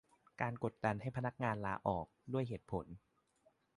การกดดันให้พนักงานลาออก ด้วยเหตุผล